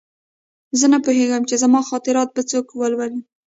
زه نه پوهېږم چې زما خاطرات به څوک ولولي